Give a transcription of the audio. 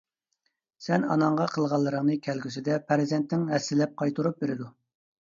سەن ئاناڭغا قىلغانلىرىڭنى كەلگۈسىدە پەرزەنتىڭ ھەسسىلەپ قايتۇرۇپ بېرىدۇ.